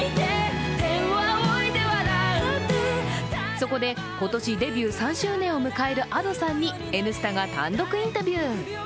そこで今年デビュー３周年を迎えるＡｄｏさんに「Ｎスタ」が単独インタビュー。